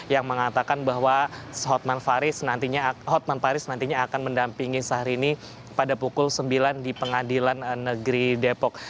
yang mengatakan bahwa hotman paris nantinya akan mendampingi syahrini pada pukul sembilan di pengadilan negeri depok